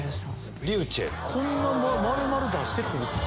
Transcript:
こんな出して来るかな。